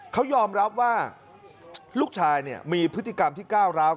เขายอมรับว่าลูกชายมีพฤติกรรมที่ก้าวร้าว